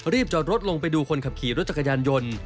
จอดรถลงไปดูคนขับขี่รถจักรยานยนต์